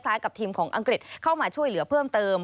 กับทีมของอังกฤษเข้ามาช่วยเหลือเพิ่มเติม